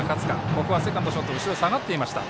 ここはセカンド、ショート後ろに下がっていました。